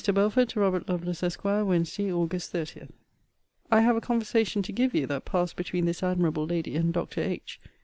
BELFORD, TO ROBERT LOVELACE, ESQ. WEDNESDAY, AUG. 30. I have a conversation to give you that passed between this admirable lady and Dr. H.